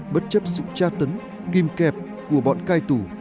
bất chấp sự tra tấn kìm kẹp của bọn cai tù